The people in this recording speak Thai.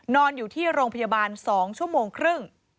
นอนอยู่ที่โรงพยาบาล๒ชั่วโมงครึ่ง